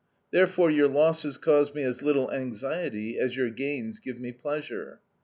Therefore your losses cause me as little anxiety as your gains give me pleasure.